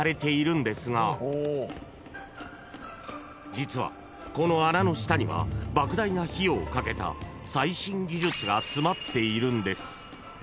［実はこの穴の下には莫大な費用をかけた最新技術が詰まっているんです］